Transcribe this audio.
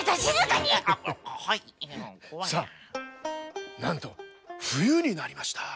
さっなんとふゆになりました。